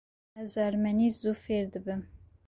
Ez ermenî zû fêr dibim.